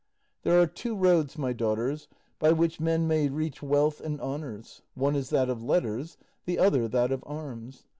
There are two roads, my daughters, by which men may reach wealth and honours; one is that of letters, the other that of arms.